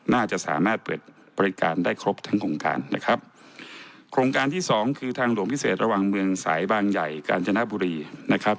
น่าจะสามารถเปิดบริการได้ครบทั้งโครงการนะครับโครงการที่สองคือทางหลวงพิเศษระหว่างเมืองสายบางใหญ่กาญจนบุรีนะครับ